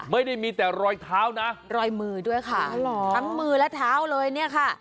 ไม่ได้มีแต่รอยเท้านะรอยมือด้วยค่ะทั้งมือและเท้าเลยเนี่ยค่ะ